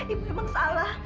ibu memang salah